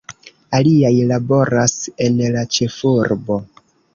Aliaj laboras en la ĉefurbo.